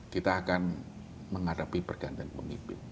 kita akan menghadapi pergantian pemimpin